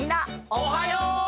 おはよう！